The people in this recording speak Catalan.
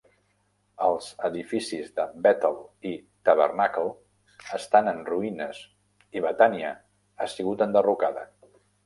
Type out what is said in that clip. Els edificis de Bètel i Tabernacl estan en ruïnes i Betània ha sigut enderrocada.